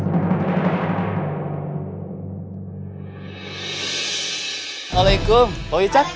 assalamualaikum pak wiccaq